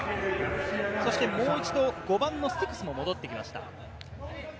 もう一度、５番のスティクスも戻ってきました。